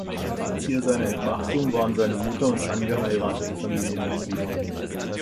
Drahtzieher seiner Entmachtung waren seine Mutter und angeheiratete Familienmitglieder.